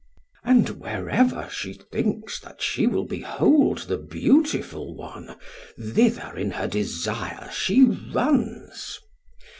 And wherever she thinks that she will behold the beautiful one, thither in her desire she runs.